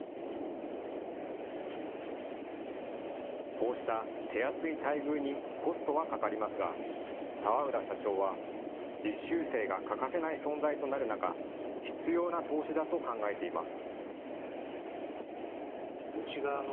こうした手厚い待遇にコストはかかりますが澤浦社長は実習生が欠かせない存在となる中、必要な投資だと考えています。